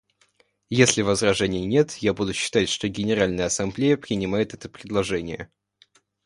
Если возражений нет, я буду считать, что Генеральная Ассамблея принимает это предложение.